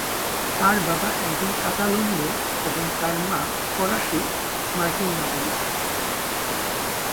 তার বাবা একজন কাতালোনিয় এবং তার মা ফরাসী-মার্কিন নাগরিক।